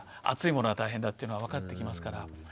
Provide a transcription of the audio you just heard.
熱いものは大変だっていうのが分かってきますから。